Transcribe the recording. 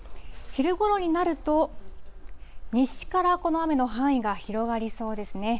昼ごろになると、西からこの雨の範囲が広がりそうですね。